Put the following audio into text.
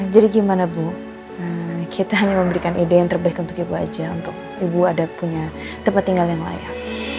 jadi gimana bu kita hanya memberikan ide yang terbaik untuk ibu aja untuk ibu ada punya tempat tinggal yang layak